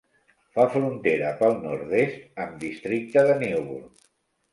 Fa frontera pel nord-est amb districte de Newburg.